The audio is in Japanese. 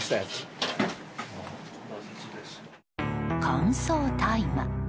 乾燥大麻。